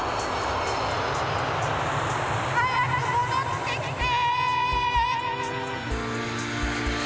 はやくもどってきて！